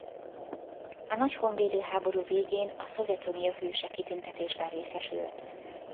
A nagy honvédő háború végén a Szovjetunió Hőse kitüntetésben részesült.